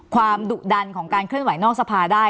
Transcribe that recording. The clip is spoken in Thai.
ดุดันของการเคลื่อนไหวนอกสภาได้